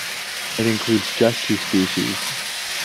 It includes just two species.